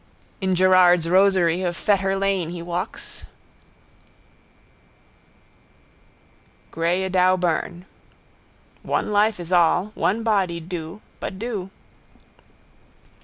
In Gerard's rosery of Fetter lane he walks, greyedauburn. One life is all. One body. Do. But do.